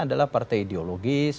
adalah partai ideologis